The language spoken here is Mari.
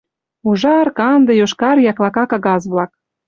Ужар, канде, йошкар яклака кагаз-влак.